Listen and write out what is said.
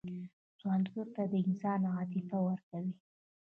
سوالګر ته د انسان عاطفه ورکوئ